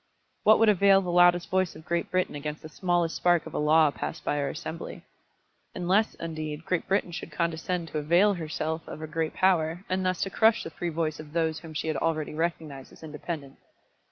What would avail the loudest voice of Great Britain against the smallest spark of a law passed by our Assembly? unless, indeed, Great Britain should condescend to avail herself of her great power, and thus to crush the free voice of those whom she had already recognised as independent.